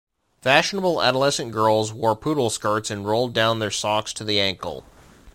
Fashionable adolescent girls wore poodle skirts and rolled down their socks to the ankle.